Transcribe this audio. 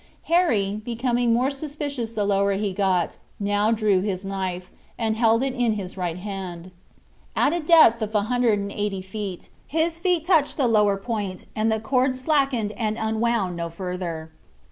Harry, becoming more suspicious the lower he got, now drew his knife and held it in his right hand. At a depth of 180 feet, his feet touched the lower point and the cord slackened and unwound no further.